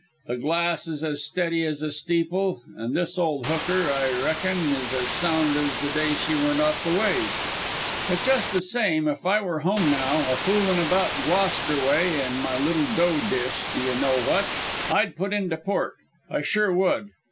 The glass is as steady as a steeple, and this ol' hooker, I reckon, is as sound as the day she went off the ways. But just the same if I were to home now, a foolin' about Gloucester way in my little dough dish d'ye know what? I'd put into port. I sure would.